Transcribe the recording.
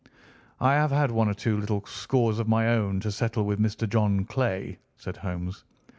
"I have had one or two little scores of my own to settle with Mr. John Clay," said Holmes.